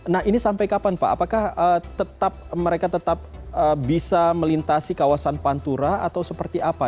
nah ini sampai kapan pak apakah mereka tetap bisa melintasi kawasan pantura atau seperti apa